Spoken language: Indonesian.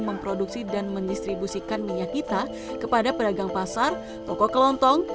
memproduksi dan mendistribusikan minyak kita kepada pedagang pasar toko kelontong